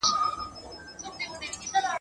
پاڼ او دېوال راونړول سوه.